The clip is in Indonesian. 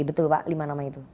betul pak lima nama itu